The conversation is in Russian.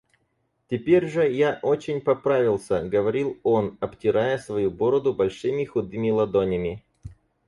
Теперь же я очень поправился, — говорил он, обтирая свою бороду большими худыми ладонями.